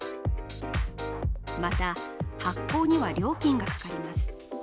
また、発行には料金がかかります。